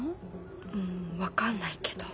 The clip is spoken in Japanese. うん分かんないけど。